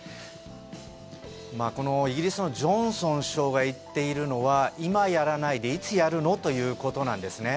イギリスのジョンソン首相が言っているのは今やらないで、いつやるのということなんですね。